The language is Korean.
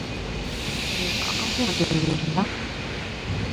애 깡패 만들 일 있냐?